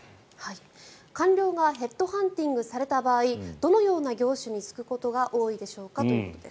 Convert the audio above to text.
官僚がヘッドハンティングされた場合どのような業種に就くことが多いでしょうかということです。